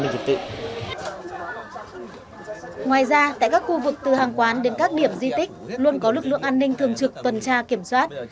trên các điểm di tích luôn có lực lượng an ninh thường trực tuần tra kiểm soát